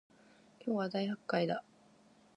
今日は大発会だ